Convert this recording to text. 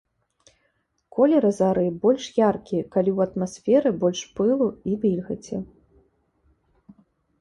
Колеры зары больш яркія, калі ў атмасферы больш пылу і вільгаці.